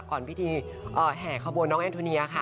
ก่อนพิธีแห่ขบวนน้องแอนโทเนียค่ะ